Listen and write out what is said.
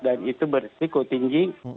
dan itu bersiku tinggi